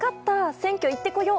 選挙行ってこよう！